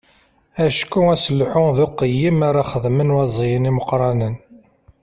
Acku aselḥu d uqeyyem ara xedmen waẓiyen imeqqranen.